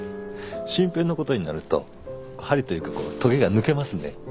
真平のことになると針というかこうとげが抜けますね。